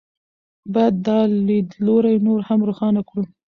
باید دا لیدلوری نور هم روښانه کړو.